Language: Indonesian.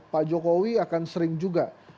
pak jokowi akan sering juga